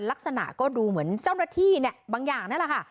ลักษณะก็ดูเหมือนเจ้าหน้าที่เนี่ยบางอย่างนั่นแหละค่ะ